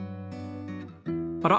あら？